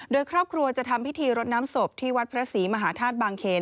โดยครอบครัวจะทำพิธีรดน้ำศพที่วัดพระศรีมหาธาตุบางเขน